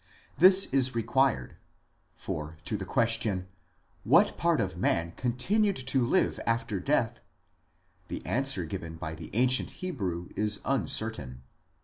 This is required ; for, to the question, " What part of man con tinued to live after death ?" the answer given by the ancient Hebrew is uncertain.